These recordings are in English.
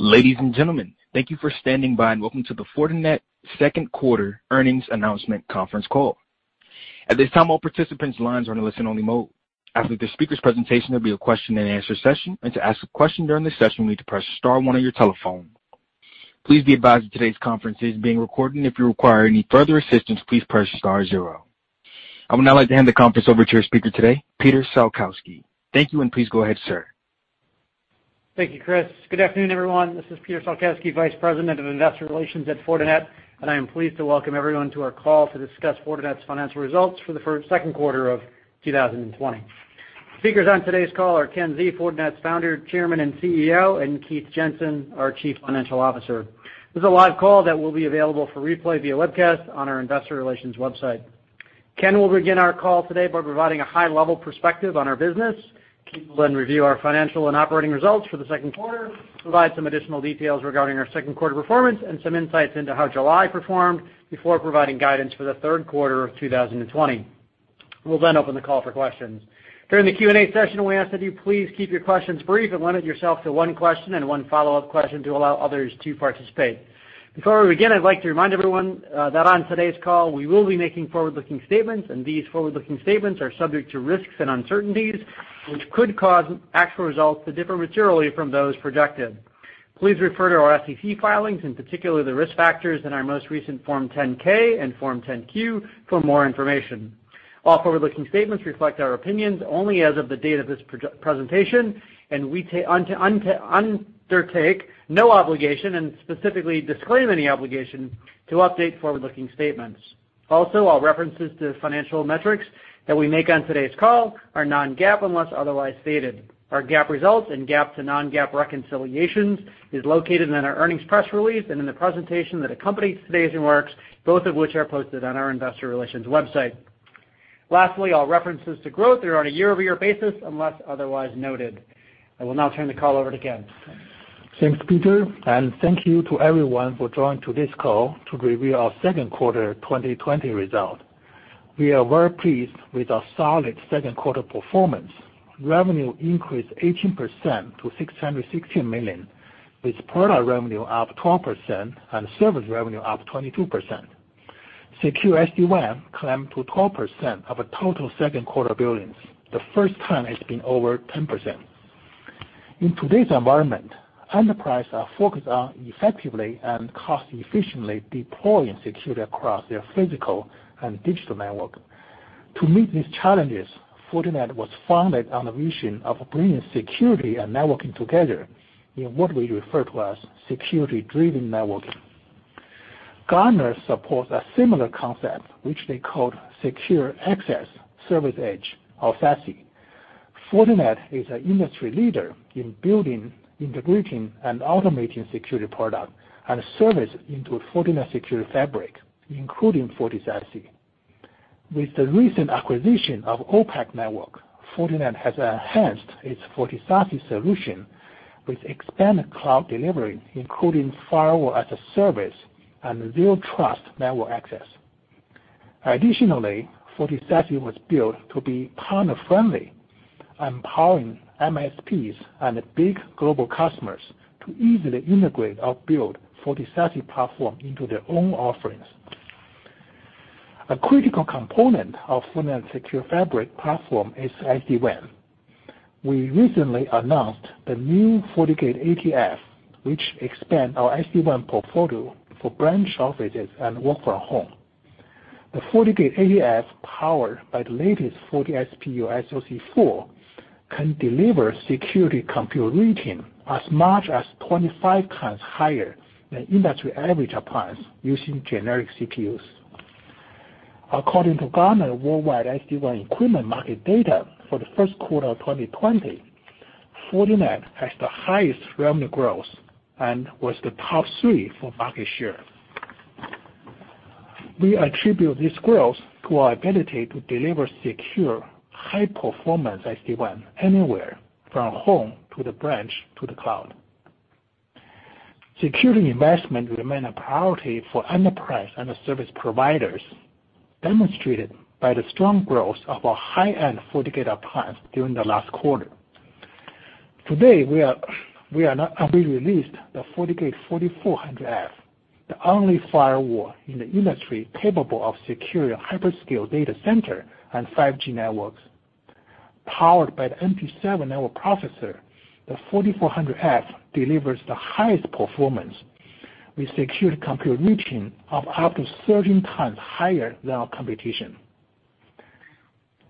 Ladies and gentlemen, thank you for standing by and welcome to the Fortinet second quarter earnings announcement conference call. At this time all participants lines are in a listen only mode. After speaker's presentation, there'll be a question and answer session, and to ask a question during this session, you need to press star one on your telephone. Please be about today's conferences being recorded. If you require any further assistance, please press star zero. I would now like to hand the conference over to our speaker today, Peter Salkowski. Thank you, and please go ahead, sir. Thank you, Chris. Good afternoon, everyone. This is Peter Salkowski, Vice President of Investor Relations at Fortinet, and I am pleased to welcome everyone to our call to discuss Fortinet's financial results for the second quarter of 2020. Speakers on today's call are Ken Xie, Fortinet's Founder, Chairman, and CEO, and Keith Jensen, our Chief Financial Officer. This is a live call that will be available for replay via webcast on our investor relations website. Ken will begin our call today by providing a high-level perspective on our business. Keith will then review our financial and operating results for the second quarter, provide some additional details regarding our second quarter performance and some insights into how July performed before providing guidance for the third quarter of 2020. We'll then open the call for questions. During the Q&A session, we ask that you please keep your questions brief and limit yourself to one question and one follow-up question to allow others to participate. Before we begin, I'd like to remind everyone that on today's call, we will be making forward-looking statements, and these forward-looking statements are subject to risks and uncertainties which could cause actual results to differ materially from those projected. Please refer to our SEC filings, and particularly the risk factors in our most recent Form 10-K and Form 10-Q for more information. All forward-looking statements reflect our opinions only as of the date of this presentation, and we undertake no obligation and specifically disclaim any obligation to update forward-looking statements. Also, all references to financial metrics that we make on today's call are non-GAAP unless otherwise stated. Our GAAP results and GAAP to non-GAAP reconciliations is located in our earnings press release and in the presentation that accompanies today's remarks, both of which are posted on our investor relations website. Lastly, all references to growth are on a year-over-year basis unless otherwise noted. I will now turn the call over to Ken. Thanks, Peter, and thank you to everyone for joining to this call to review our second quarter 2020 result. We are well pleased with our solid second quarter performance. Revenue increased 18% to $616 million, with product revenue up 12% and service revenue up 22%. Fortinet Secure SD-WAN climbed to 12% of a total second quarter billings, the first time it's been over 10%. In today's environment, enterprise are focused on effectively and cost efficiently deploying security across their physical and digital network. To meet these challenges, Fortinet was founded on the vision of bringing security and networking together in what we refer to as Security-driven Networking. Gartner supports a similar concept, which they call Secure Access Service Edge, or SASE. Fortinet is an industry leader in building, integrating, and automating security product and service into a Fortinet Security Fabric, including FortiSASE. With the recent acquisition of OPAQ Networks, Fortinet has enhanced its FortiSASE solution with expanded cloud delivery, including firewall-as-a-service and zero trust network access. Additionally, FortiSASE was built to be partner friendly, empowering MSPs and big global customers to easily integrate or build FortiSASE platform into their own offerings. A critical component of Fortinet's Security Fabric platform is SD-WAN. We recently announced the new FortiGate 80F, which expand our SD-WAN portfolio for branch offices and work from home. The FortiGate 80F, powered by the latest FortiASIC SoC4, can deliver Security Compute Rating as much as 25x higher than industry average appliance using generic CPUs. According to Gartner worldwide SD-WAN equipment market data for the first quarter of 2020, Fortinet has the highest revenue growth and was the top 3 for market share. We attribute this growth to our ability to deliver secure, high performance SD-WAN anywhere, from home to the branch to the cloud. Security investment remain a priority for enterprise and service providers, demonstrated by the strong growth of our high-end FortiGate appliance during the last quarter. Today, we released the FortiGate 4400F, the only firewall in the industry capable of securing hyperscale data center and 5G networks. Powered by the FortiASIC NP7 network processor, the FortiGate 4400F delivers the highest performance with Security Compute Rating of up to 13x higher than our competition.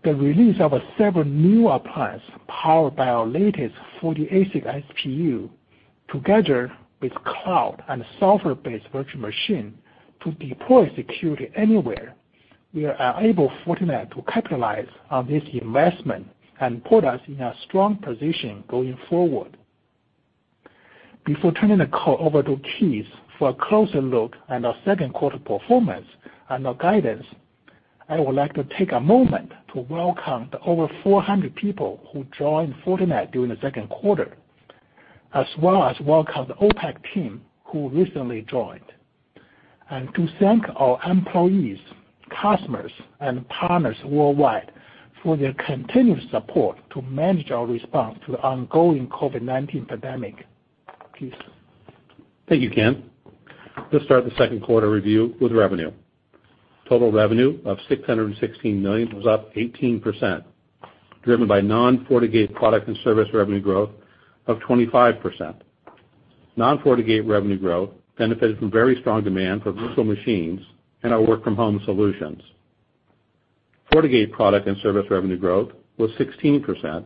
The release of our several new appliance powered by our latest FortiASIC SPU together with cloud and software-based virtual machine to deploy security anywhere, we are able, Fortinet, to capitalize on this investment and put us in a strong position going forward. Before turning the call over to Keith for a closer look at our second quarter performance and our guidance, I would like to take a moment to welcome the over 400 people who joined Fortinet during the second quarter, as well as welcome the OPAQ team who recently joined. To thank our employees, customers, and partners worldwide for their continued support to manage our response to the ongoing COVID-19 pandemic. Please. Thank you, Ken. Let's start the second quarter review with revenue. Total revenue of $616 million was up 18%, driven by non-FortiGate product and service revenue growth of 25%. Non-FortiGate revenue growth benefited from very strong demand for virtual machines and our work-from-home solutions. FortiGate product and service revenue growth was 16%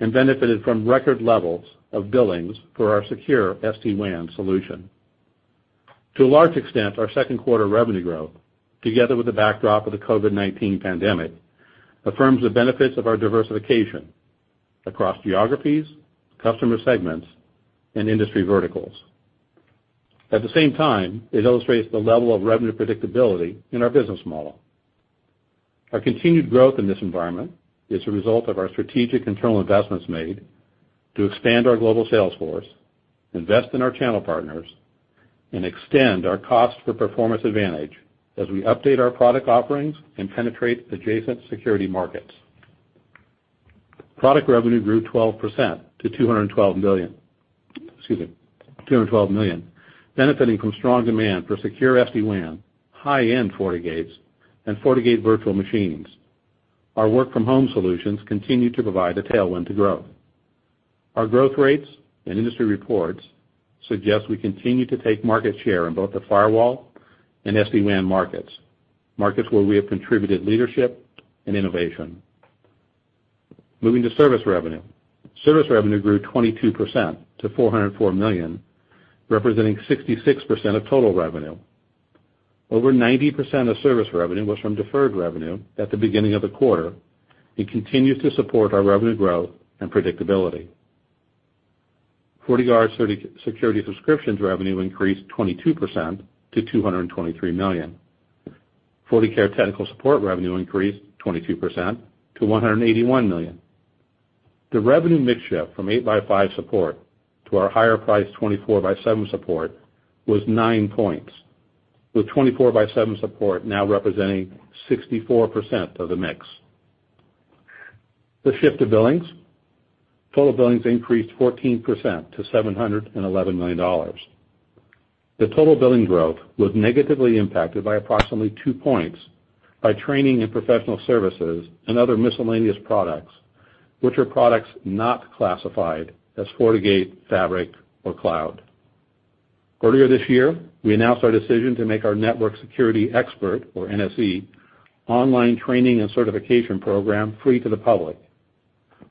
and benefited from record levels of billings for our secure SD-WAN solution. To a large extent, our second quarter revenue growth, together with the backdrop of the COVID-19 pandemic, affirms the benefits of our diversification across geographies, customer segments, and industry verticals. At the same time, it illustrates the level of revenue predictability in our business model. Our continued growth in this environment is a result of our strategic internal investments made to expand our global sales force, invest in our channel partners, and extend our cost for performance advantage as we update our product offerings and penetrate adjacent security markets. Product revenue grew 12% to $212 million, benefiting from strong demand for secure SD-WAN, high-end FortiGates, and FortiGate virtual machines. Our work-from-home solutions continue to provide a tailwind to growth. Our growth rates and industry reports suggest we continue to take market share in both the firewall and SD-WAN markets where we have contributed leadership and innovation. Moving to service revenue. Service revenue grew 22% to $404 million, representing 66% of total revenue. Over 90% of service revenue was from deferred revenue at the beginning of the quarter. It continues to support our revenue growth and predictability. FortiGuard security subscriptions revenue increased 22% to $223 million. Fortinet FortiCare technical support revenue increased 22% to $181 million. The revenue mix shift from eight by five support to our higher priced 24 by seven support was nine points, with 24/7 support now representing 64% of the mix. The shift to billings. Total billings increased 14% to $711 million. The total billing growth was negatively impacted by approximately two points by training and professional services and other miscellaneous products, which are products not classified as FortiGate fabric or cloud. Earlier this year, we announced our decision to make our Network Security Expert, or NSE, online training and certification program free to the public.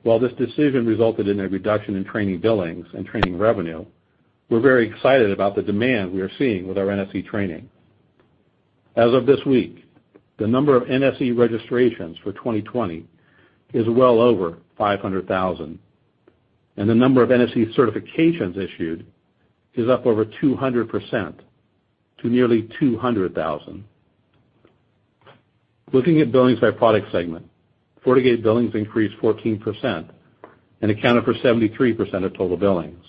While this decision resulted in a reduction in training billings and training revenue, we're very excited about the demand we are seeing with our NSE training. As of this week, the number of NSE registrations for 2020 is well over 500,000, The number of NSE certifications issued is up over 200% to nearly 200,000. Looking at billings by product segment, FortiGate billings increased 14% and accounted for 73% of total billings.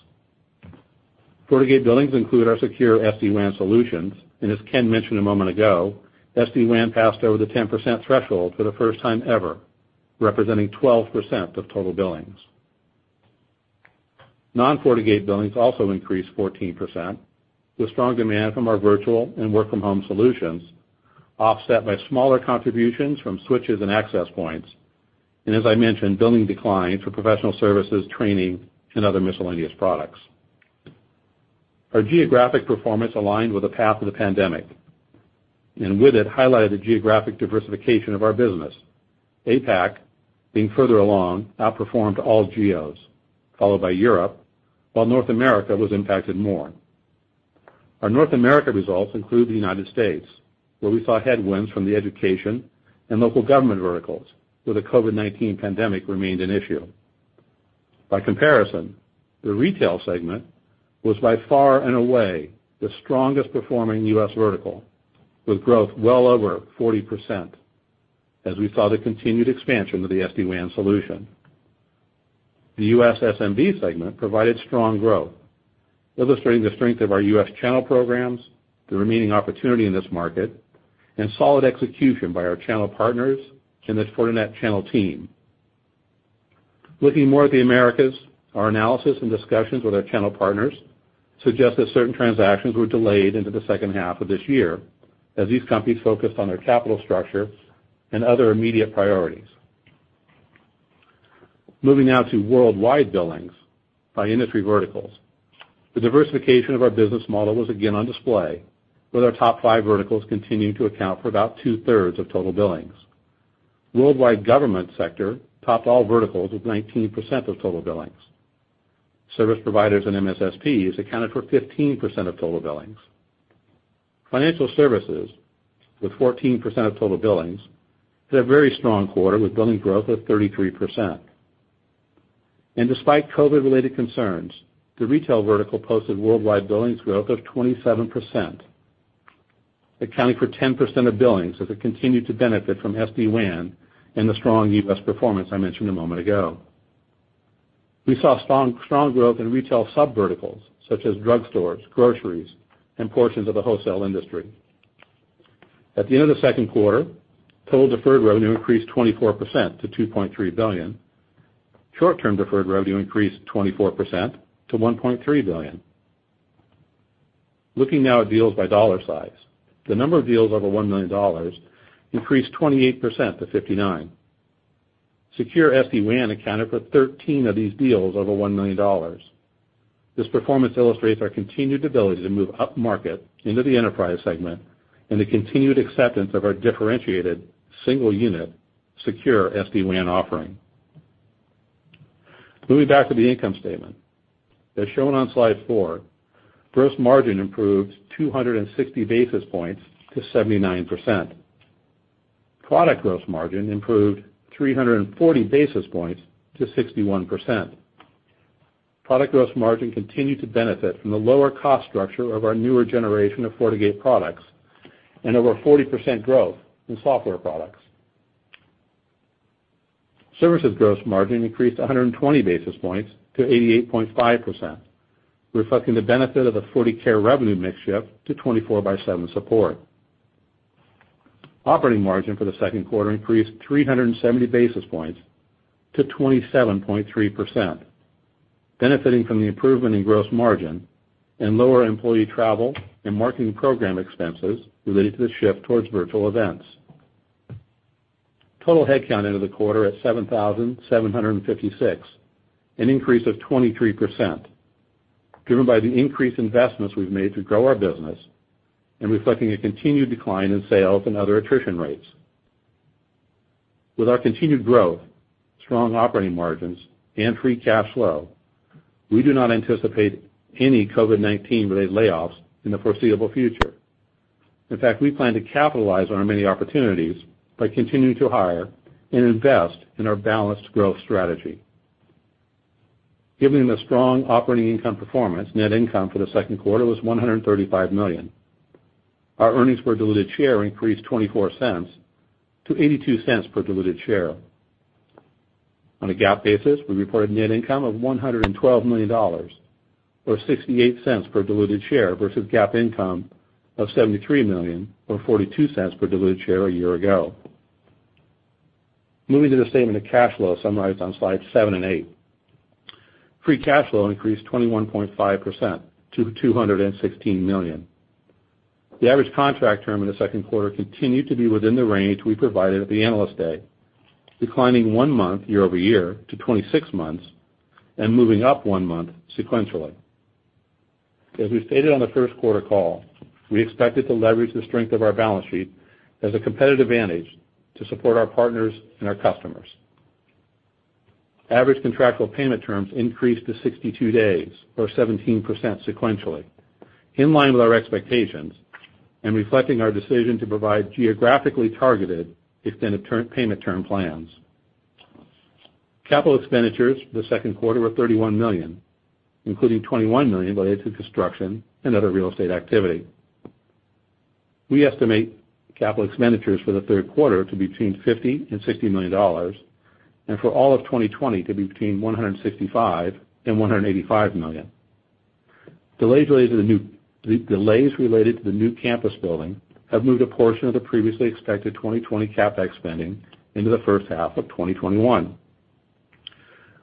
FortiGate billings include our secure SD-WAN solutions. As Ken mentioned a moment ago, SD-WAN passed over the 10% threshold for the first time ever, representing 12% of total billings. Non-FortiGate billings also increased 14%, with strong demand from our virtual and work-from-home solutions, offset by smaller contributions from switches and access points. As I mentioned, billing declines for professional services, training, and other miscellaneous products. Our geographic performance aligned with the path of the pandemic. With it highlighted the geographic diversification of our business. APAC, being further along, outperformed all geos, followed by Europe, while North America was impacted more. Our North America results include the U.S., where we saw headwinds from the education and local government verticals, where the COVID-19 pandemic remained an issue. By comparison, the retail segment was by far and away the strongest performing U.S. vertical, with growth well over 40%, as we saw the continued expansion of the SD-WAN solution. The U.S. SMB segment provided strong growth, illustrating the strength of our U.S. channel programs, the remaining opportunity in this market, and solid execution by our channel partners and the Fortinet channel team. Looking more at the Americas, our analysis and discussions with our channel partners suggest that certain transactions were delayed into the second half of this year, as these companies focused on their capital structure and other immediate priorities. Moving now to worldwide billings by industry verticals. The diversification of our business model was again on display, with our top five verticals continuing to account for about two-thirds of total billings. Worldwide government sector topped all verticals with 19% of total billings. Service providers and MSSPs accounted for 15% of total billings. Financial services with 14% of total billings, had a very strong quarter with billing growth of 33%. Despite COVID-related concerns, the retail vertical posted worldwide billings growth of 27%, accounting for 10% of billings as it continued to benefit from SD-WAN and the strong U.S. performance I mentioned a moment ago. We saw strong growth in retail sub-verticals such as drugstores, groceries, and portions of the wholesale industry. At the end of the second quarter, total deferred revenue increased 24% to $2.3 billion. Short-term deferred revenue increased 24% to $1.3 billion. Looking now at deals by dollar size, the number of deals over $1 million increased 28% to 59. Secure SD-WAN accounted for 13 of these deals over $1 million. This performance illustrates our continued ability to move upmarket into the enterprise segment and the continued acceptance of our differentiated single unit Secure SD-WAN offering. Moving back to the income statement. As shown on slide four, gross margin improved 260 basis points to 79%. Product gross margin improved 340 basis points to 61%. Product gross margin continued to benefit from the lower cost structure of our newer generation of FortiGate products and over 40% growth in software products. Services gross margin increased 120 basis points to 88.5%, reflecting the benefit of a Fortinet FortiCare revenue mix shift to 24/7 support. Operating margin for the second quarter increased 370 basis points to 27.3%, benefiting from the improvement in gross margin and lower employee travel and marketing program expenses related to the shift towards virtual events. Total headcount end of the quarter at 7,756, an increase of 23%, driven by the increased investments we've made to grow our business and reflecting a continued decline in sales and other attrition rates. With our continued growth, strong operating margins, and free cash flow, we do not anticipate any COVID-19-related layoffs in the foreseeable future. In fact, we plan to capitalize on our many opportunities by continuing to hire and invest in our balanced growth strategy. Given the strong operating income performance, net income for the second quarter was $135 million. Our earnings per diluted share increased $0.24-$0.82 per diluted share. On a GAAP basis, we reported net income of $112 million or $0.68 per diluted share versus GAAP income of $73 million or $0.42 per diluted share a year ago. Moving to the statement of cash flow summarized on slide seven and eight. Free cash flow increased 21.5% to $216 million. The average contract term in the second quarter continued to be within the range we provided at the Analyst Day, declining one month year-over-year to 26 months and moving up one month sequentially. As we stated on the first quarter call, we expected to leverage the strength of our balance sheet as a competitive advantage to support our partners and our customers. Average contractual payment terms increased to 62 days, or 17% sequentially, in line with our expectations and reflecting our decision to provide geographically targeted extended payment term plans. Capital expenditures for the second quarter were $31 million, including $21 million related to construction and other real estate activity. We estimate capital expenditures for the third quarter to be between $50 million and $60 million and for all of 2020 to be between $165 million and $185 million. Delays related to the new campus building have moved a portion of the previously expected 2020 CapEx spending into the first half of 2021.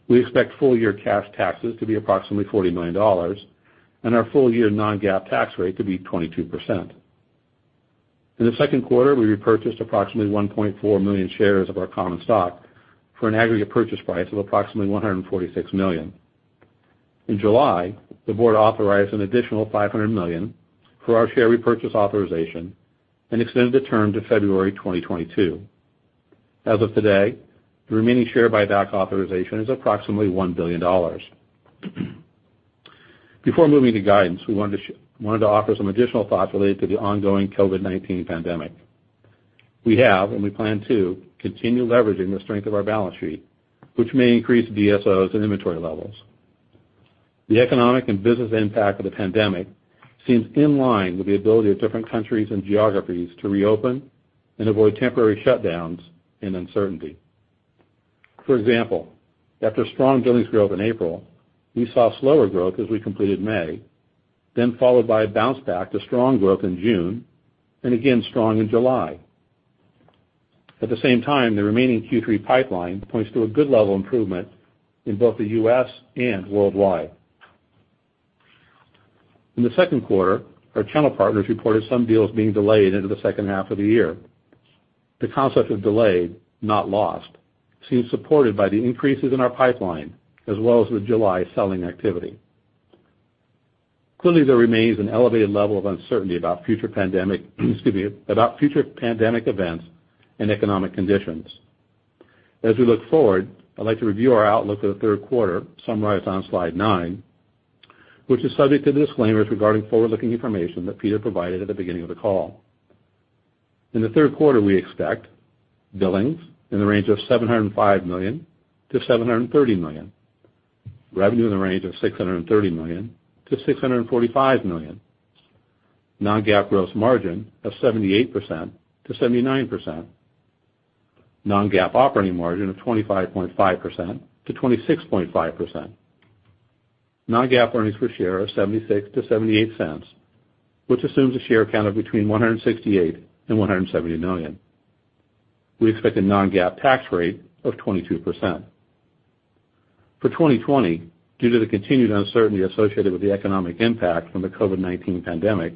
We expect full-year cash taxes to be approximately $40 million and our full-year non-GAAP tax rate to be 22%. In the second quarter, we repurchased approximately 1.4 million shares of our common stock for an aggregate purchase price of approximately $146 million. In July, the board authorized an additional $500 million for our share repurchase authorization and extended the term to February 2022. As of today, the remaining share buyback authorization is approximately $1 billion. Before moving to guidance, we wanted to offer some additional thoughts related to the ongoing COVID-19 pandemic. We have, and we plan to, continue leveraging the strength of our balance sheet, which may increase DSOs and inventory levels. The economic and business impact of the pandemic seems in line with the ability of different countries and geographies to reopen and avoid temporary shutdowns and uncertainty. For example, after strong billings growth in April, we saw slower growth as we completed May, then followed by a bounce back to strong growth in June and again strong in July. At the same time, the remaining Q3 pipeline points to a good level of improvement in both the U.S. and worldwide. In the second quarter, our channel partners reported some deals being delayed into the second half of the year. The concept of delayed, not lost, seems supported by the increases in our pipeline as well as the July selling activity. Clearly, there remains an elevated level of uncertainty about future pandemic events and economic conditions. As we look forward, I'd like to review our outlook for the third quarter, summarized on slide nine, which is subject to the disclaimers regarding forward-looking information that Peter provided at the beginning of the call. In the third quarter, we expect billings in the range of $705 million-$730 million. Revenue in the range of $630 million-$645 million. Non-GAAP gross margin of 78%-79%. Non-GAAP operating margin of 25.5%-26.5%. Non-GAAP earnings per share of $0.76-$0.78, which assumes a share count of between $168 million and $170 million. We expect a Non-GAAP tax rate of 22%. For 2020, due to the continued uncertainty associated with the economic impact from the COVID-19 pandemic,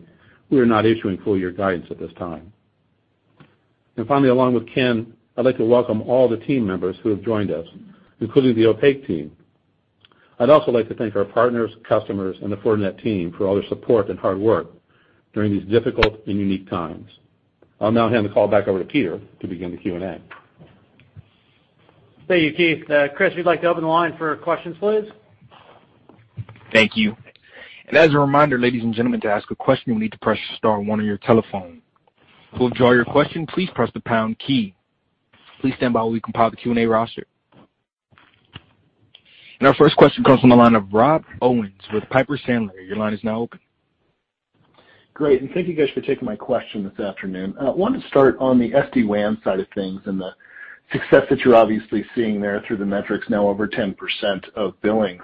we are not issuing full year guidance at this time. Finally, along with Ken, I would like to welcome all the team members who have joined us, including the OPAQ Networks team. I would also like to thank our partners, customers, and the Fortinet team for all their support and hard work during these difficult and unique times. I will now hand the call back over to Peter to begin the Q&A. Thank you, Keith. Chris, we'd like to open the line for questions, please. Thank you. As a reminder, ladies and gentlemen, to ask a question, you will need to press star one on your telephone. To withdraw your question, please press the pound key. Please stand by while we compile the Q&A roster. Our first question comes from the line of Rob Owens with Piper Sandler. Your line is now open. Great, thank you guys for taking my question this afternoon. I wanted to start on the SD-WAN side of things and the success that you're obviously seeing there through the metrics, now over 10% of billings.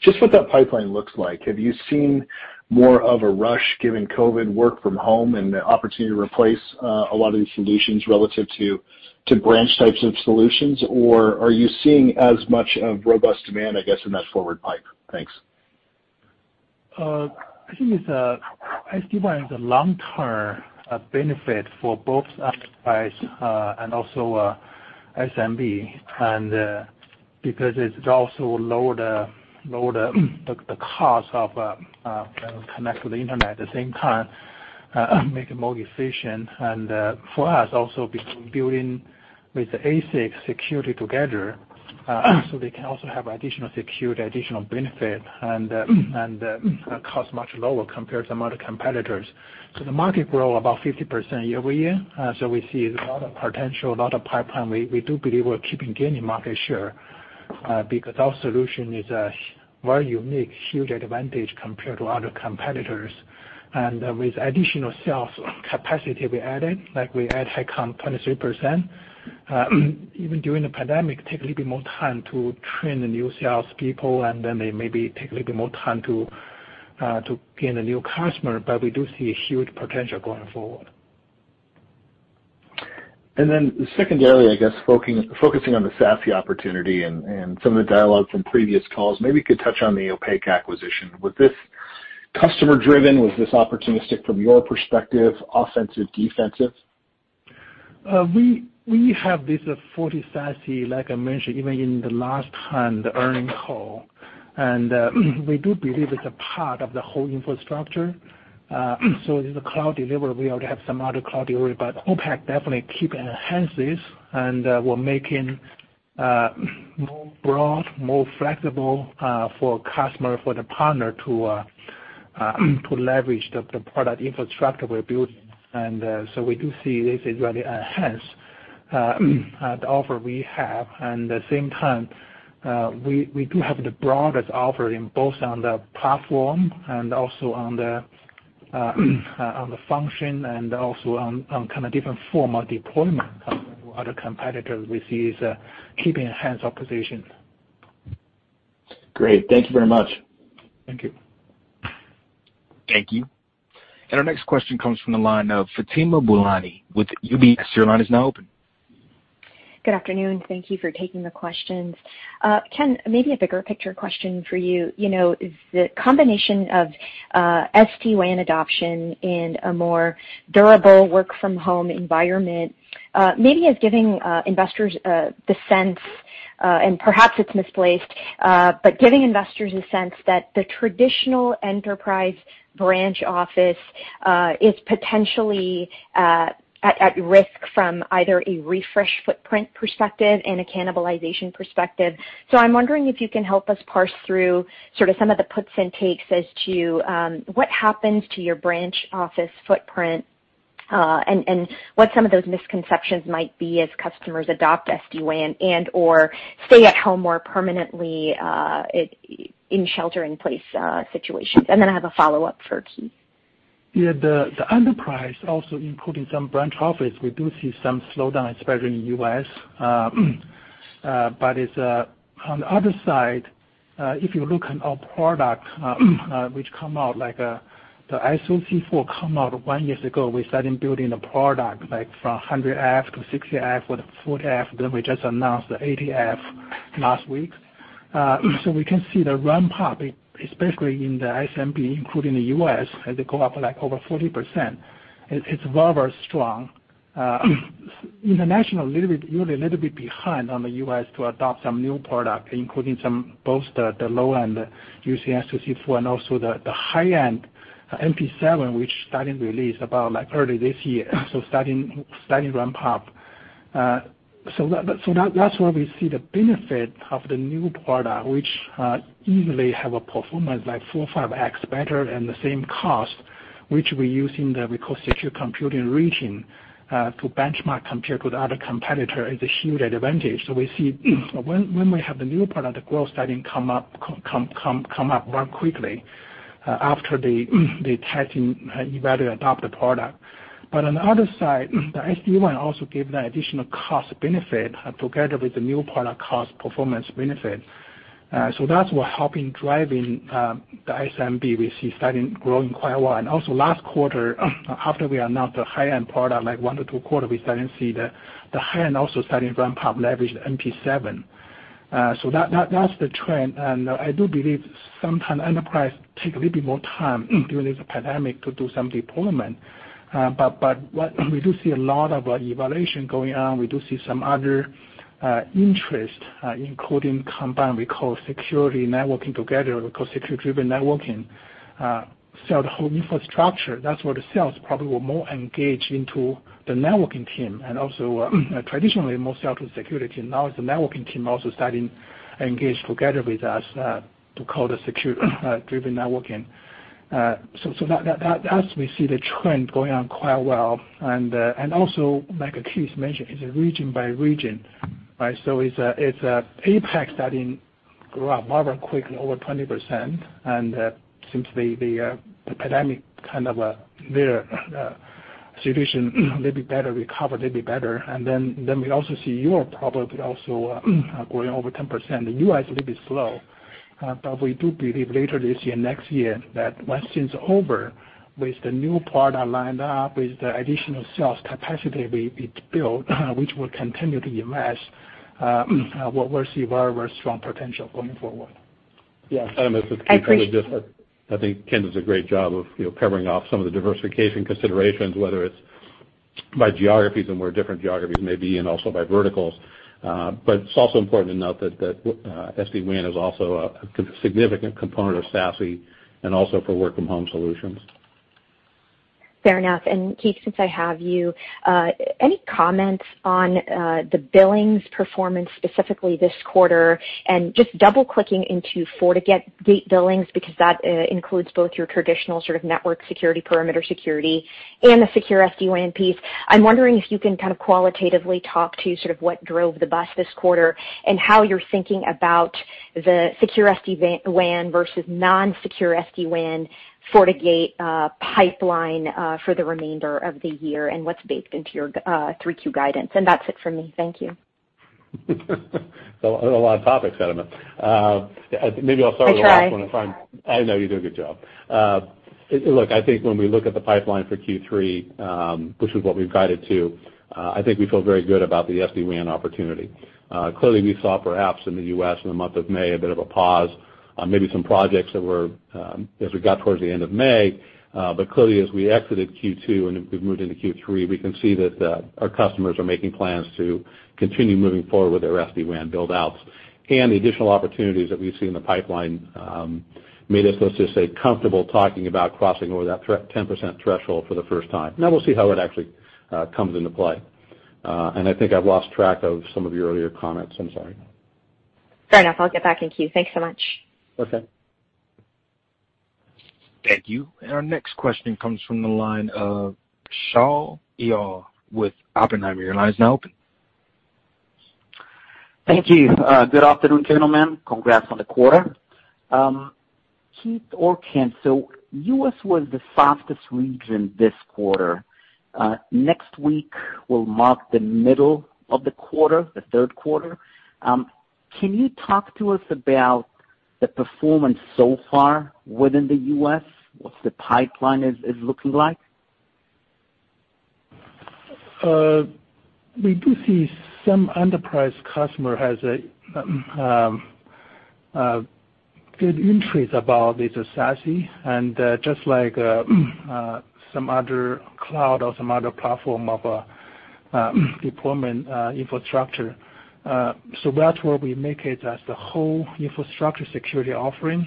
Just what that pipeline looks like. Have you seen more of a rush given COVID work from home and the opportunity to replace a lot of these solutions relative to branch types of solutions? Are you seeing as much of robust demand, I guess, in that forward pipe? Thanks. I think it's SD-WAN is a long-term benefit for both Enterprise and also SMB, and because it also lower the cost of connect to the internet, at the same time, make it more efficient. For us also, between building with ASIC security together, so they can also have additional security, additional benefit, and cost much lower compared to some other competitors. The market grow about 50% year-over-year. We see a lot of potential, a lot of pipeline. We do believe we're keeping gaining market share, because our solution is a very unique, huge advantage compared to other competitors. With additional sales capacity we added, like we add head count 23%, even during the pandemic, take a little bit more time to train the new sales people, and then they maybe take a little bit more time to gain a new customer, but we do see a huge potential going forward. Secondarily, I guess, focusing on the SASE opportunity and some of the dialogues from previous calls, maybe you could touch on the OPAQ Networks acquisition. Was this customer driven? Was this opportunistic from your perspective, offensive, defensive? We have this FortiSASE, like I mentioned, even in the last time, the earning call. We do believe it's a part of the whole infrastructure. It is a cloud delivery. We already have some other cloud delivery, but OPAQ Networks definitely keep enhance this, and we're making more broad, more flexible for customer, for the partner to leverage the product infrastructure we're building. We do see this is really enhance the offer we have. At the same time, we do have the broadest offering, both on the platform and also on the function and also on different form of deployment compared to other competitors we see is keeping enhance our position. Great. Thank you very much. Thank you. Thank you. Our next question comes from the line of Fatima Boolani with UBS. Your line is now open. Good afternoon. Thank you for taking the questions. Ken, maybe a bigger picture question for you. Is the combination of SD-WAN adoption in a more durable work from home environment maybe is giving investors the sense, and perhaps it's misplaced, but giving investors a sense that the traditional enterprise branch office, is potentially at risk from either a refresh footprint perspective and a cannibalization perspective. I'm wondering if you can help us parse through some of the puts and takes as to what happens to your branch office footprint, and what some of those misconceptions might be as customers adopt SD-WAN and/or stay at home more permanently in shelter in place situations. I have a follow-up for Keith. Yeah. The enterprise also including some branch office, we do see some slowdown, especially in the U.S. On the other side, if you look on our product, which come out like the Fortinet SoC4 come out one year ago, we started building a product, like from FortiGate 100F to FortiGate 60F with FortiGate 40F, then we just announced the FortiGate 80F last week. We can see the ramp up, especially in the SMB, including the U.S., as they go up like over 40%. International usually a little bit behind on the U.S. to adopt some new product, including some both the low end Fortinet SoC4 and also the high end FortiASIC NP7, which starting release about like early this year, so starting ramp up. That's where we see the benefit of the new product, which easily have a performance like four, fivex better and the same cost, which we use in the, we call Security Compute Rating, to benchmark compared to the other competitor is a huge advantage. We see when we have the new product, the growth starting come up very quickly. After the testing, evaluate, adopt the product. On the other side, the SD-WAN also give the additional cost benefit together with the new product cost performance benefit. That's what helping driving the SASE we see starting growing quite well. Also last quarter, after we announced the high-end product, like one to two quarter, we starting to see the high-end also starting ramp up leverage FortiASIC NP7. That's the trend. I do believe sometimes enterprises take a little bit more time during this pandemic to do some deployment. We do see a lot of evaluation going on. We do see some other interest, including combined, we call security networking together, we call Security-driven Networking. The whole infrastructure, that's where the sales probably will more engage into the networking team and also traditionally more sell to security. Now it's the networking team also starting to engage together with us to call the Security-driven Networking. That's we see the trend going on quite well. Also, like Keith mentioned, it's region by region, right? It's APAC starting to grow up rather quickly, over 20%, and seems the pandemic kind of their situation maybe better recover, maybe better. We also see Europe probably also growing over 10%. The U.S. a little bit slow. We do believe later this year, next year, that once things over, with the new product lined up, with the additional sales capacity we build, which will continue to invest, we'll see very strong potential going forward. Yes, Fatima, this is Keith. I appreciate. I think Ken does a great job of covering off some of the diversification considerations, whether it's by geographies and where different geographies may be, and also by verticals. It's also important to note that SD-WAN is also a significant component of SASE and also for work-from-home solutions. Fair enough. Keith, since I have you, any comments on the billings performance specifically this quarter? Just double-clicking into FortiGate billings, because that includes both your traditional sort of network security, perimeter security and the secure SD-WAN piece. I'm wondering if you can kind of qualitatively talk to sort of what drove the bus this quarter and how you're thinking about the secure SD-WAN versus non-secure SD-WAN FortiGate pipeline for the remainder of the year, and what's baked into your 3Q guidance. That's it for me. Thank you. A lot of topics, Fatima. Maybe I'll start with the last one. I try. I know you do a good job. Look, I think when we look at the pipeline for Q3, which is what we've guided to, I think we feel very good about the SD-WAN opportunity. Clearly, we saw perhaps in the U.S. in the month of May a bit of a pause, maybe some projects that were as we got towards the end of May. Clearly as we exited Q2 and we've moved into Q3, we can see that our customers are making plans to continue moving forward with their SD-WAN build-outs. The additional opportunities that we've seen in the pipeline made us, let's just say, comfortable talking about crossing over that 10% threshold for the first time. Now we'll see how it actually comes into play. I think I've lost track of some of your earlier comments. I'm sorry. Fair enough. I'll get back in queue. Thanks so much. Okay. Thank you. Our next question comes from the line of Shaul Eyal with Oppenheimer. Your line is now open. Thank you. Good afternoon, gentlemen. Congrats on the quarter. Keith or Ken, U.S. was the fastest region this quarter. Next week will mark the middle of the quarter, the third quarter. Can you talk to us about the performance so far within the U.S.? What's the pipeline is looking like? We do see some enterprise customer has a good interest about this SASE, just like some other cloud or some other platform of deployment infrastructure. That's where we make it as the whole infrastructure security offering.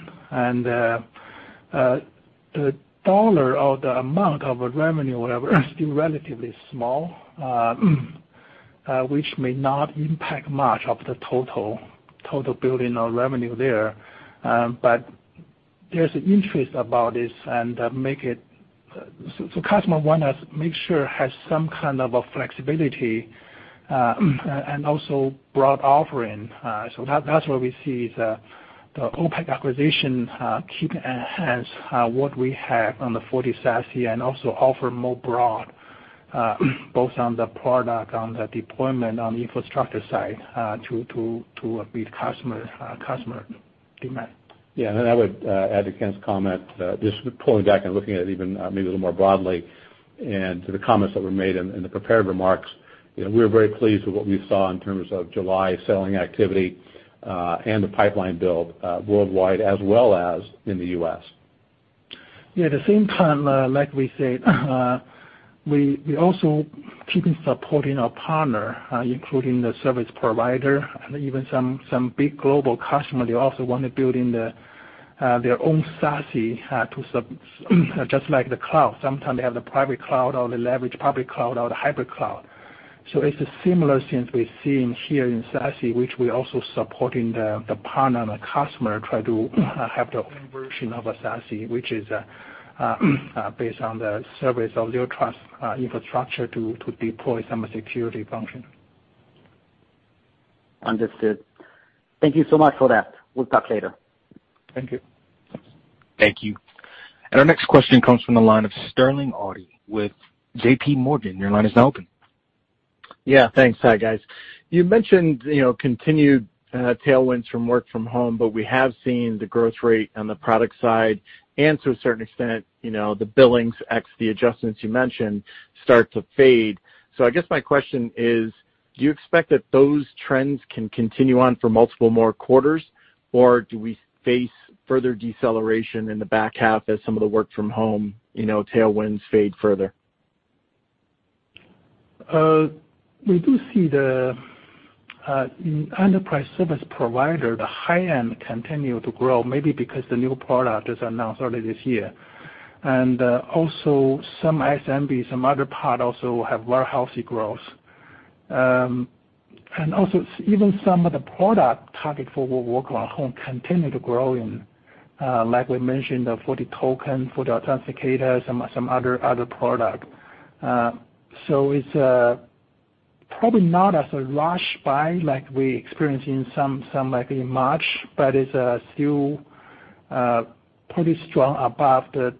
The dollar or the amount of revenue, whatever, is still relatively small, which may not impact much of the total billing or revenue there. There's an interest about this and make it customer want to make sure has some kind of a flexibility, and also broad offering. That's where we see the OPAQ Networks acquisition keep enhance what we have on the FortiSASE and also offer more broad, both on the product, on the deployment, on the infrastructure side, to meet customer demand. Yeah, then I would add to Ken's comment, just pulling back and looking at it even maybe a little more broadly and to the comments that were made in the prepared remarks, we're very pleased with what we saw in terms of July selling activity, and the pipeline build worldwide as well as in the U.S. Yeah, at the same time, like we said, we also keeping supporting our partner, including the service provider and even some big global customer, they also want to build in their own SASE just like the cloud. Sometimes they have the private cloud or they leverage public cloud or the hybrid cloud. It's a similar thing we're seeing here in SASE, which we're also supporting the partner and the customer try to have their own version of a SASE, which is based on the service of zero trust infrastructure to deploy some security function. Understood. Thank you so much for that. We'll talk later. Thank you. Thank you. Our next question comes from the line of Sterling Auty with JPMorgan. Your line is now open. Yeah, thanks. Hi, guys. You mentioned continued tailwinds from work from home, we have seen the growth rate on the product side and to a certain extent, the billings ex the adjustments you mentioned, start to fade. I guess my question is, do you expect that those trends can continue on for multiple more quarters, or do we face further deceleration in the back half as some of the work from home tailwinds fade further? We do see the enterprise service provider, the high-end continue to grow, maybe because the new product is announced early this year. Also some SMB, some other part also have very healthy growth. Even some of the product target for work from home continue to grow in, like we mentioned, the FortiToken, FortiAuthenticator, some other product. It's probably not as a rush buy like we experienced in March, but it's still pretty strong above the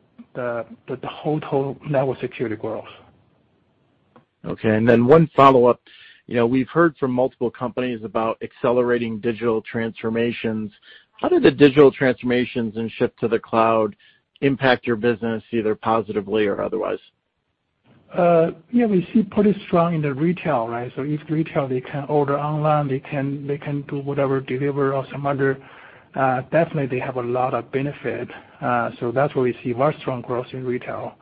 total network security growth. Okay, one follow-up. We've heard from multiple companies about accelerating digital transformations. How did the digital transformations and shift to the cloud impact your business, either positively or otherwise? Yeah, we see pretty strong in the retail. If retail, they can order online, they can do whatever, deliver or some other. Definitely, they have a lot of benefit. That's where we see very strong growth in retail,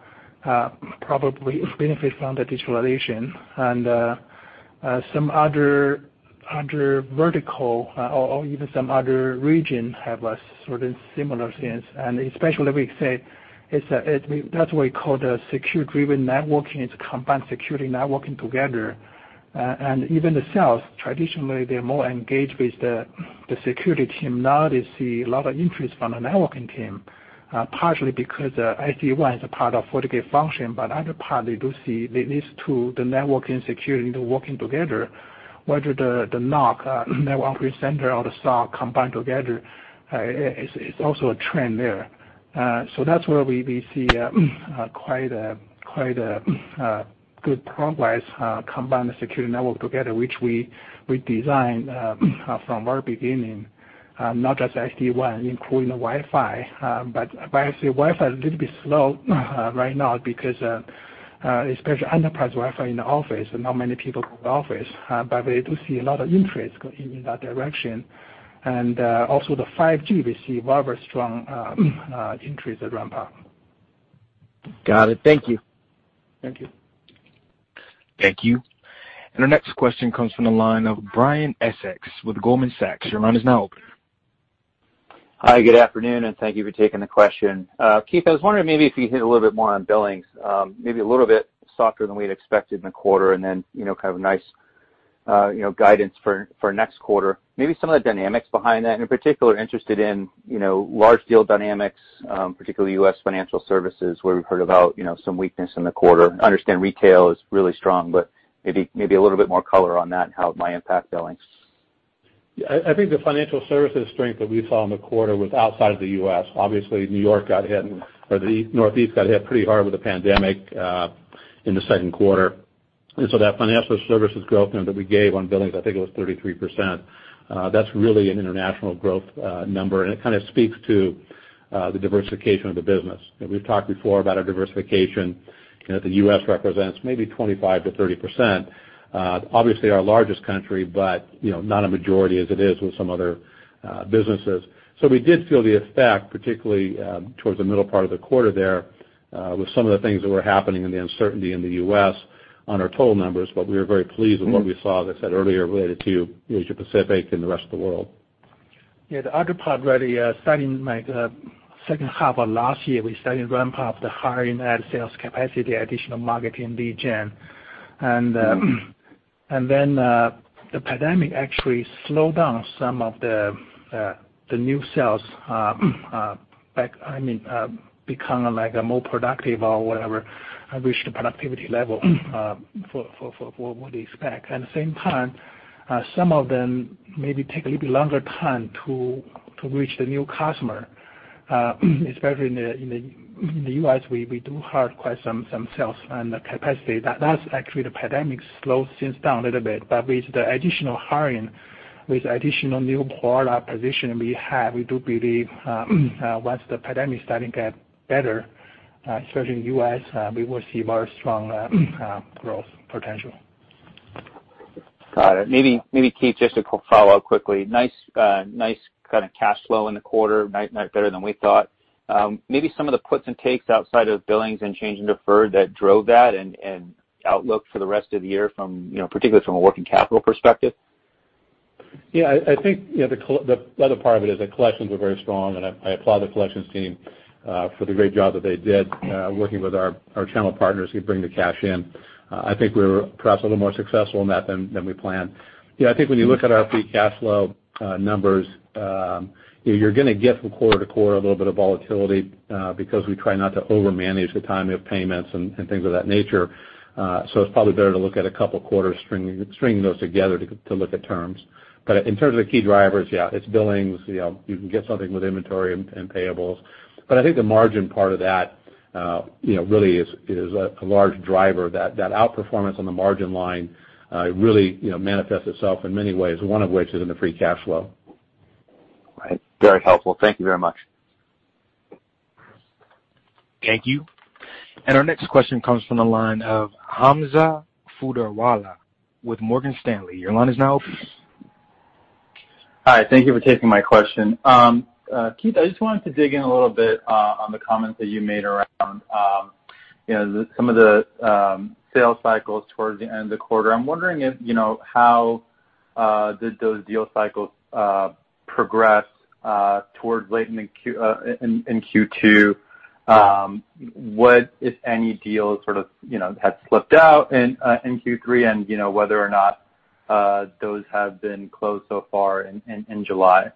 probably benefit from the digitalization. Some other vertical or even some other region have a certain similar sense. Especially we say, that's why we call the Security-driven Networking. It's combined security networking together. Even the sales, traditionally, they're more engaged with the security team. Now they see a lot of interest from the networking team, partially because SD-WAN is a part of FortiGate function, but other part, they do see these two, the networking security working together, whether the NOC, network operations center or the SOC combined together. It's also a trend there. That's where we see quite a good progress combining the security network together, which we designed from our beginning, not just SD-WAN, including Wi-Fi. Obviously Wi-Fi a little bit slow right now because, especially enterprise Wi-Fi in the office, and not many people go to office. We do see a lot of interest going in that direction. Also the 5G, we see very strong interest at ramp-up. Got it. Thank you. Thank you. Thank you. Our next question comes from the line of Brian Essex with Goldman Sachs. Your line is now open. Hi, good afternoon, and thank you for taking the question. Keith, I was wondering maybe if you hit a little bit more on billings, maybe a little bit softer than we'd expected in the quarter, and then kind of nice guidance for next quarter. Maybe some of the dynamics behind that. In particular, interested in large deal dynamics, particularly U.S. financial services, where we've heard about some weakness in the quarter. I understand retail is really strong, but maybe a little bit more color on that and how it might impact billings. I think the financial services strength that we saw in the quarter was outside of the U.S. New York got hit, or the Northeast got hit pretty hard with the pandemic in the second quarter. That financial services growth number that we gave on billings, I think it was 33%. That's really an international growth number, and it kind of speaks to the diversification of the business. We've talked before about our diversification. The U.S. represents maybe 25%-30%. Our largest country, not a majority as it is with some other businesses. We did feel the effect, particularly towards the middle part of the quarter there, with some of the things that were happening and the uncertainty in the U.S. on our total numbers. We were very pleased with what we saw, as I said earlier, related to Asia-Pacific and the rest of the world. The other part, really, starting second half of last year, we started ramp up the hiring, add sales capacity, additional marketing lead gen. The pandemic actually slowed down some of the new sales, become a more productive or whatever, reach the productivity level for what they expect. At the same time, some of them maybe take a little bit longer time to reach the new customer, especially in the U.S., we do hire quite some sales and the capacity. The pandemic slowed things down a little bit, but with the additional hiring, with additional new product position we have, we do believe once the pandemic starting get better, especially in the U.S., we will see very strong growth potential. Got it. Keith, just a quick follow-up quickly. Nice kind of cash flow in the quarter, better than we thought. Some of the puts and takes outside of billings and change in deferred that drove that and outlook for the rest of the year, particularly from a working capital perspective? Yeah, I think the other part of it is that collections were very strong, and I applaud the collections team. For the great job that they did working with our channel partners who bring the cash in. I think we were perhaps a little more successful in that than we planned. I think when you look at our free cash flow numbers, you're going to get from quarter to quarter a little bit of volatility because we try not to over-manage the timing of payments and things of that nature. It's probably better to look at a couple of quarters, string those together to look at terms. In terms of the key drivers, it's billings. You can get something with inventory and payables. I think the margin part of that really is a large driver. That outperformance on the margin line really manifests itself in many ways, one of which is in the free cash flow. Right. Very helpful. Thank you very much. Thank you. Our next question comes from the line of Hamza Fodderwala with Morgan Stanley. Hi. Thank you for taking my question. Keith, I just wanted to dig in a little bit on the comments that you made around some of the sales cycles towards the end of the quarter. I'm wondering how did those deal cycles progress towards late in Q2? What, if any, deals sort of had slipped out in Q3 and whether or not those have been closed so far in July?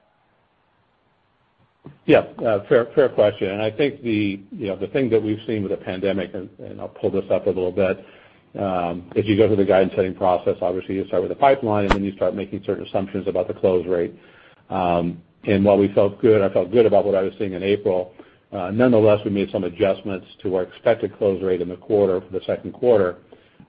Yeah. Fair question. I think the thing that we've seen with the pandemic, I'll pull this up a little bit. If you go through the guidance setting process, obviously you start with the pipeline, and then you start making certain assumptions about the close rate. While I felt good about what I was seeing in April, nonetheless, we made some adjustments to our expected close rate in the quarter for the second quarter.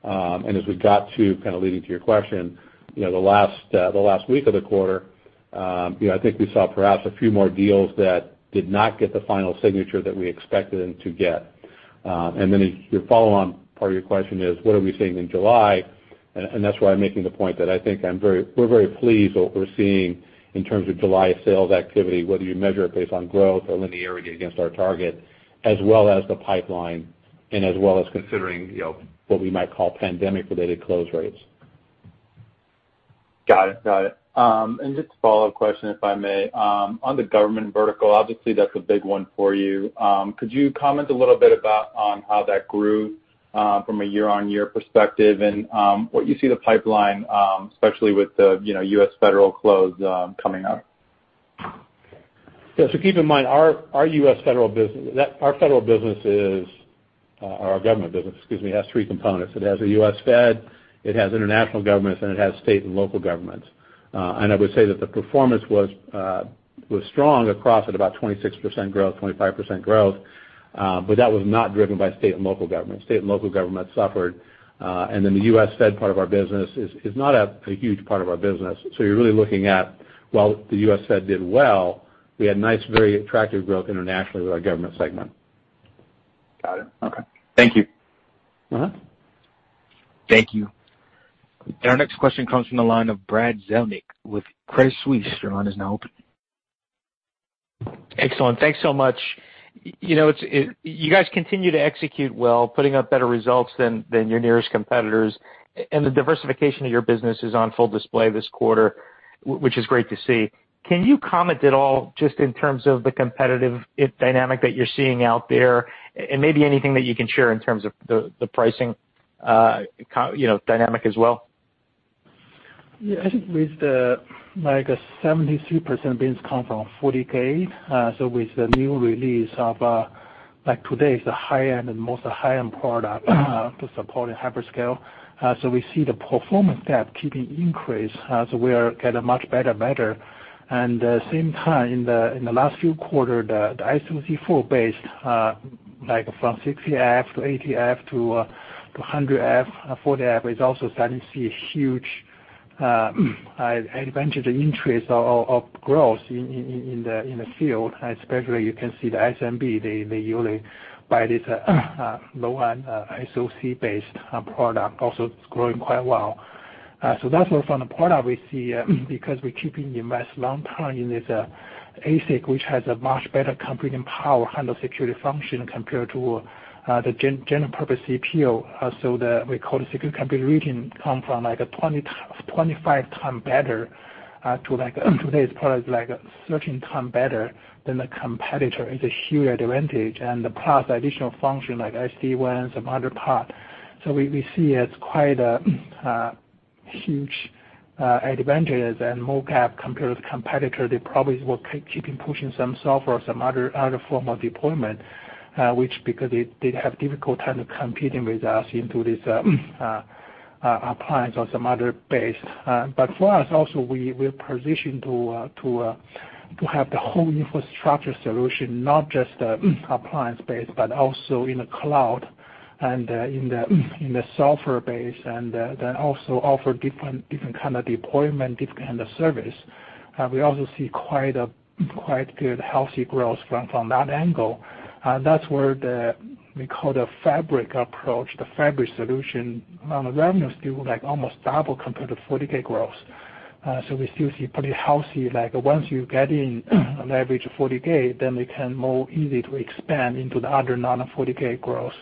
As we got to, kind of leading to your question, the last week of the quarter I think we saw perhaps a few more deals that did not get the final signature that we expected them to get. Then your follow-on part of your question is, what are we seeing in July? That's why I'm making the point that I think we're very pleased what we're seeing in terms of July sales activity, whether you measure it based on growth or linearity against our target, as well as the pipeline and as well as considering what we might call pandemic-related close rates. Got it. Just a follow-up question, if I may. On the government vertical, obviously that's a big one for you. Could you comment a little bit on how that grew from a year-on-year perspective and what you see the pipeline, especially with the U.S. federal close coming up? Yeah. Keep in mind, Our federal business is, or our government business, excuse me, has three components. It has the U.S. Fed, it has international governments, and it has state and local governments. I would say that the performance was strong across at about 26% growth, 25% growth, that was not driven by state and local government. State and local government suffered. The U.S. Fed part of our business is not a huge part of our business. You're really looking at while the U.S. Fed did well, we had nice, very attractive growth internationally with our government segment. Got it. Okay. Thank you. Thank you. Our next question comes from the line of Brad Zelnick with Credit Suisse. Your line is now open. Excellent. Thanks so much. You guys continue to execute well, putting up better results than your nearest competitors. The diversification of your business is on full display this quarter, which is great to see. Can you comment at all just in terms of the competitive dynamic that you're seeing out there and maybe anything that you can share in terms of the pricing dynamic as well? I think with the 73% bins come from FortiGate. With the new release of today's the high-end and most high-end product to support hyperscale. We see the performance gap keeping increase as we are getting much better. In the same time in the last few quarter, the SoC4 base from FortiGate 60F to FortiGate 80F to FortiGate 140F is also starting to see a huge advantage, the interest of growth in the field, especially you can see the SMB, they usually buy this low-end SoC based product also it's growing quite well. That's also the point that we see because we're keeping invest long time in this ASIC, which has a much better computing power handle security function compared to the general purpose CPU. We call it Security Compute Rating come from like a 25x better to like today's product, like 13x better than the competitor. It's a huge advantage. Plus additional function like SD-WAN, some other part. We see it's quite a huge advantage and more CapEx compared to the competitor. They probably will keep pushing some software or some other form of deployment, which because they have difficult time competing with us into this appliance or some other base. For us also, we are positioned to have the whole infrastructure solution, not just the appliance-based, but also in the cloud and in the software base, and then also offer different kind of deployment, different kind of service. We also see quite good healthy growth from that angle. That's where the, we call the Fabric approach, the Fabric solution revenue still like almost double compared to FortiGate growth. We still see pretty healthy like once you get in leverage FortiGate, then it can more easy to expand into the other non-FortiGate growth.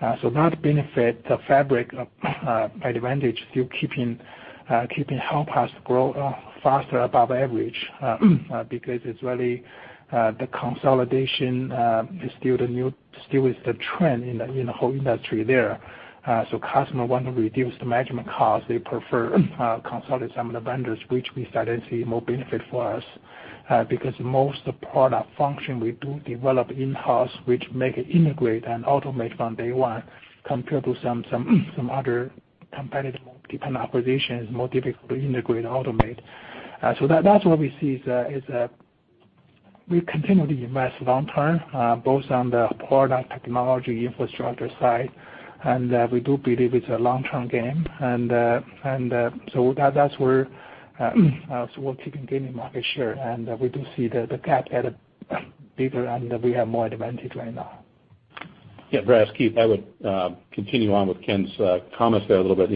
That benefit the Fabric advantage still keeping help us grow faster above average, because it's really the consolidation is still with the trend in the whole industry there. Customer want to reduce the management cost, they prefer consolidate some of the vendors, which we starting to see more benefit for us, because most product function we do develop in-house, which make it integrate and automate from day one compared to some other competitive, depend on acquisitions, more difficult to integrate, automate. That's what we see is we continue to invest long term, both on the product technology infrastructure side, and we do believe it's a long-term game. That's where we're keeping gaining market share, and we do see the gap at a bigger and we have more advantage right now. Yeah. Brad, it's Keith. I would continue on with Ken's comments there a little bit.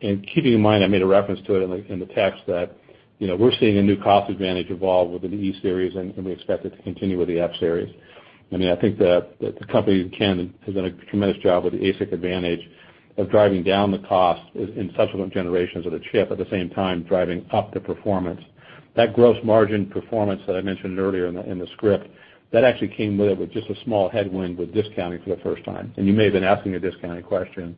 Keeping in mind I made a reference to it in the text that we're seeing a new cost advantage evolve within the E-Series, and we expect it to continue with the F-Series. I think that the company, Ken, has done a tremendous job with the ASIC advantage of driving down the cost in subsequent generations of the chip, at the same time, driving up the performance. That gross margin performance that I mentioned earlier in the script, that actually came with just a small headwind with discounting for the first time. You may have been asking a discounting question.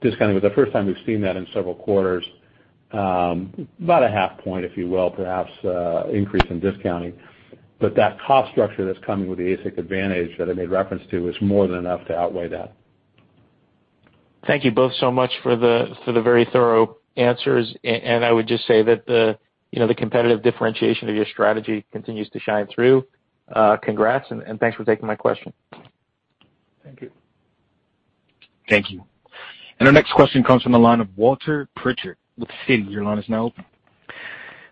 Discounting was the first time we've seen that in several quarters. About a half point, if you will, perhaps, increase in discounting. That cost structure that's coming with the ASIC advantage that I made reference to is more than enough to outweigh that. Thank you both so much for the very thorough answers. I would just say that the competitive differentiation of your strategy continues to shine through. Congrats, and thanks for taking my question. Thank you. Thank you. Our next question comes from the line of Walter Pritchard with Citi. Your line is now open.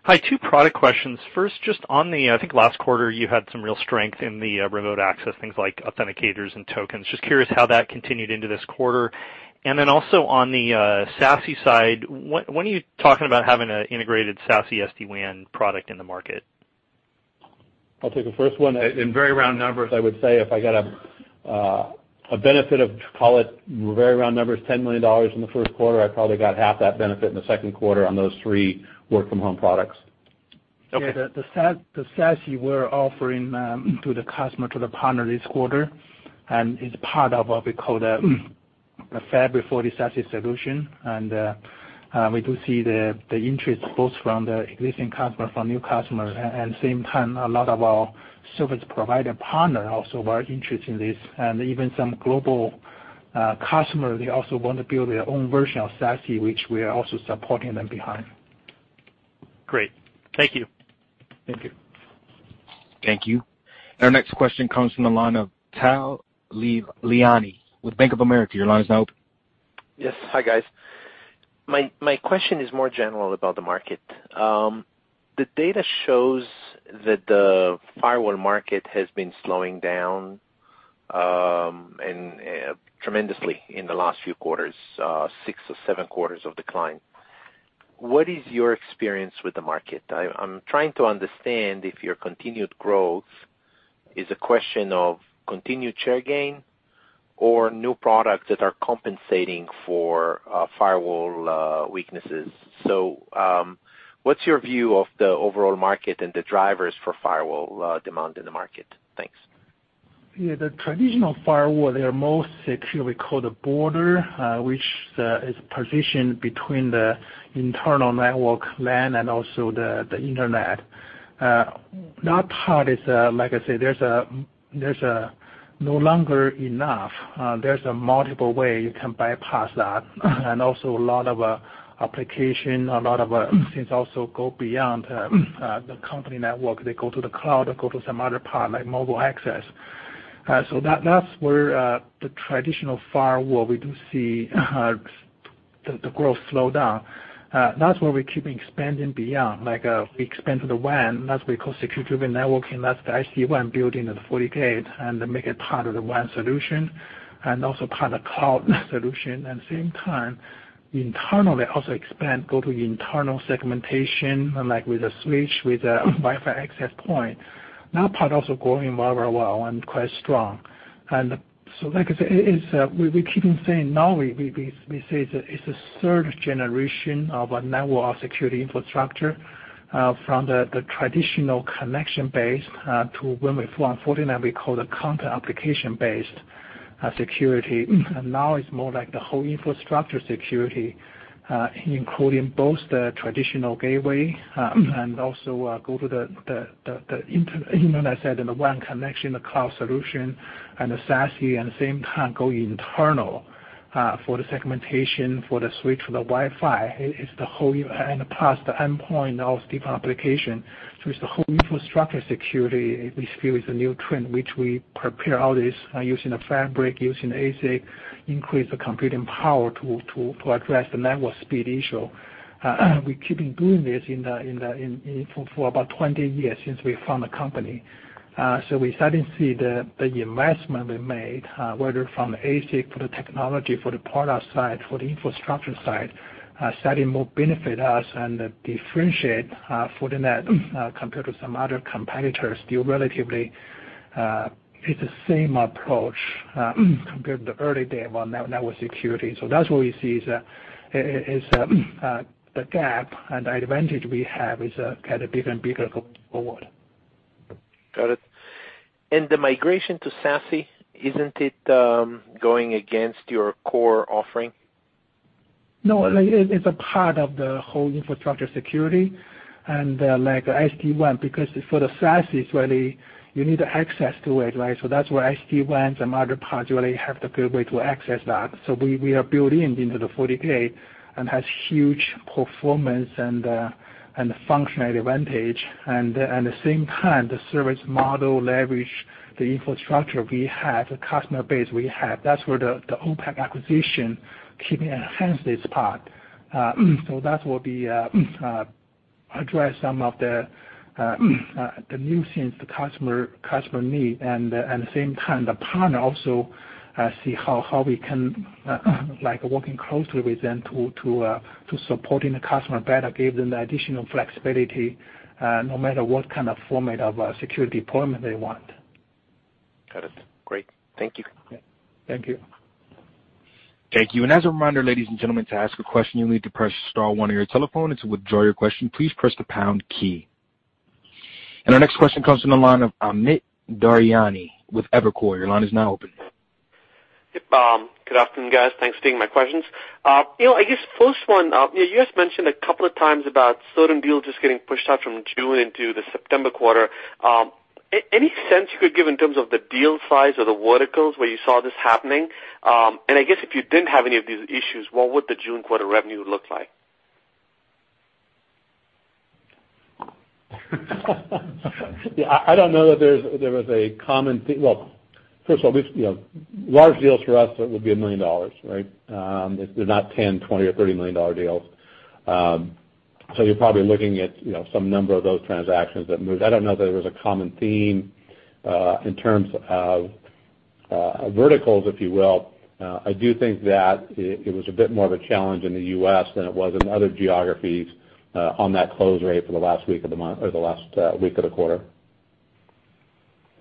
Hi, two product questions. First, just on the I think last quarter you had some real strength in the remote access, things like authenticators and tokens. Just curious how that continued into this quarter. Also on the SASE side, when are you talking about having an integrated SASE SD-WAN product in the market? I'll take the first one. In very round numbers, I would say if I got a benefit of, call it, very round numbers, $10 million in the first quarter, I probably got half that benefit in the second quarter on those three work-from-home products. Yeah. The SASE we're offering to the customer, to the partner this quarter, is part of what we call the FortiSASE solution. We do see the interest both from the existing customer, from new customer, and same time, a lot of our service provider partner also very interested in this. Even some global customer, they also want to build their own version of SASE, which we are also supporting them behind. Great. Thank you. Thank you. Thank you. Our next question comes from the line of Tal Liani with Bank of America. Yes. Hi guys. My question is more general about the market. The data shows that the firewall market has been slowing down tremendously in the last few quarters, six or seven quarters of decline. What is your experience with the market? I'm trying to understand if your continued growth is a question of continued share gain or new products that are compensating for firewall weaknesses. What's your view of the overall market and the drivers for firewall demand in the market? Thanks. Yeah, the traditional firewall, they are mostly secure the border, which is positioned between the internal network LAN and also the internet. That part is, like I said, there's a no longer enough. There's a multiple way you can bypass that. Also a lot of application, a lot of things also go beyond the company network. They go to the cloud or go to some other part, like mobile access. That's where the traditional firewall, we do see the growth slow down. That's where we keep expanding beyond, like we expand to the WAN. That's what we call Security-driven Networking. That's the SD-WAN built into the FortiGate, and make it part of the WAN solution, and also part of cloud solution. Same time, internally also expand, go to internal segmentation, like with the switch, with the Wi-Fi access point. That part also growing very well and quite strong. Like I said, we keep on saying now we say that it's a third generation of a network security infrastructure, from the traditional connection base to when we Fortinet, we call the (content or application-based) security. Now it's more like the whole infrastructure security, including both the traditional gateway, and also go to the internet side and the WAN connection, the cloud solution and the SASE, and same time go internal, for the segmentation, for the switch, for the Wi-Fi. It's the whole unit, and plus the endpoint of different application. It's the whole infrastructure security, we feel is a new trend, which we prepare all this using the Fabric, using ASIC, increase the computing power to address the network speed issue. We keeping doing this for about 20 years since we found the company. We starting to see the investment we made, whether from the ASIC, for the technology, for the product side, for the infrastructure side. That will benefit us and differentiate Fortinet compared to some other competitors, still relatively, it's the same approach compared to the early days on network security. That's where we see is the gap and the advantage we have is getting bigger going forward. Got it. The migration to SASE, isn't it going against your core offering? No, it's a part of the whole infrastructure security and like SD-WAN, because for the SASE, really, you need access to it, right? That's where SD-WANs and other parts really have the capability to access that. We are building into the FortiGate and has huge performance and functionality advantage. At the same time, the service model leverage the infrastructure we have, the customer base we have. That's where the OPAQ Networks acquisition can enhance this part. That will be address some of the new things the customer need, and at the same time, the partner also see how we can, working closely with them to supporting the customer better, give them the additional flexibility, no matter what kind of format of security deployment they want. Got it. Great. Thank you. Thank you. Thank you. As a reminder, ladies and gentlemen to ask a question you need to press star one on your telephone and to withdraw your question please press the pound key. Our next question comes from the line of Amit Daryanani with Evercore. Yep. Good afternoon, guys. Thanks for taking my questions. I guess first one, you guys mentioned a couple of times about certain deals just getting pushed out from June into the September quarter. Any sense you could give in terms of the deal size or the verticals where you saw this happening? I guess if you didn't have any of these issues, what would the June quarter revenue look like? Yeah, I don't know that there was a common Well, first of all, large deals for us would be $1 million, right? They're not $10 million, $20 million or $30 million deals. You're probably looking at some number of those transactions that moved. I don't know that there was a common theme, in terms of verticals, if you will. I do think that it was a bit more of a challenge in the U.S. than it was in other geographies, on that close rate for the last week of the month or the last week of the quarter.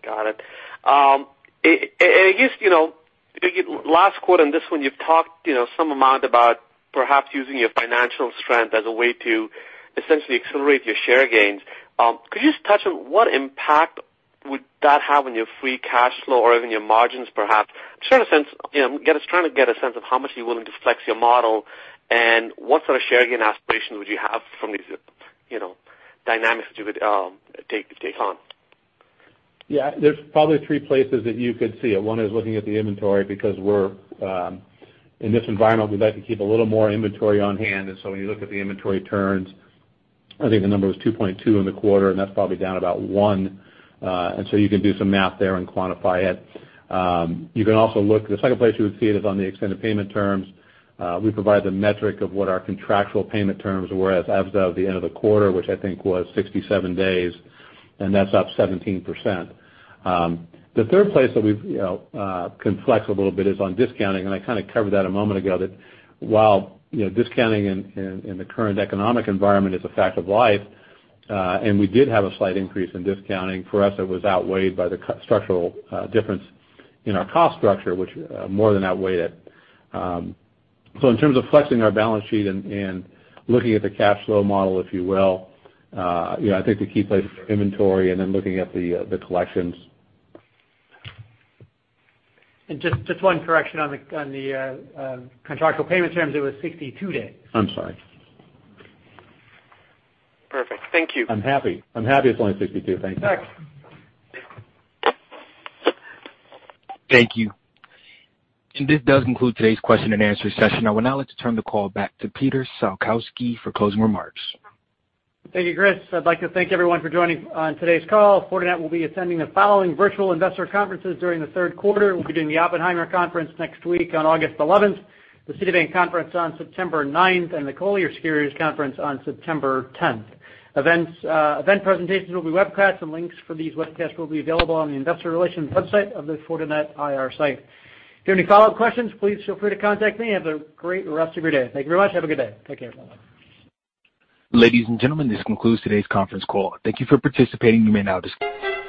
Got it. I guess, last quarter and this one, you've talked some amount about perhaps using your financial strength as a way to essentially accelerate your share gains. Could you just touch on what impact would that have on your free cash flow or even your margins perhaps? Just trying to get a sense of how much you're willing to flex your model and what sort of share gain aspiration would you have from these dynamics that you would take on? Yeah, there's probably three places that you could see it. One is looking at the inventory, because in this environment, we like to keep a little more inventory on hand. When you look at the inventory turns, I think the number was 2.2 in the quarter, and that's probably down about one. You can do some math there and quantify it. You can also look, the second place you would see it is on the extended payment terms. We provide the metric of what our contractual payment terms were as of the end of the quarter, which I think was 67 days, and that's up 17%. The third place that we can flex a little bit is on discounting, and I kind of covered that a moment ago, that while discounting in the current economic environment is a fact of life, and we did have a slight increase in discounting. For us, it was outweighed by the structural difference in our cost structure, which more than outweighed it. In terms of flexing our balance sheet and looking at the cash flow model, if you will, I think the key places are inventory and then looking at the collections. Just one correction on the contractual payment terms. It was 62 days. I'm sorry. Perfect. Thank you. I'm happy. I'm happy it's only 62 days. Thank you. Thanks. Thank you. This does conclude today's question and answer session. I would now like to turn the call back to Peter Salkowski for closing remarks. Thank you, Chris. I'd like to thank everyone for joining on today's call. Fortinet will be attending the following virtual investor conferences during the third quarter. We'll be doing the Oppenheimer conference next week on August 11th, the Citibank conference on September 9th, and the Colliers Securities conference on September 10th. Event presentations will be webcast, and links for these webcasts will be available on the investor relations website of the Fortinet IR site. If you have any follow-up questions, please feel free to contact me. Have a great rest of your day. Thank you very much. Have a good day. Take care, everyone. Ladies and gentlemen, this concludes today's conference call. Thank you for participating. You may now disconnect.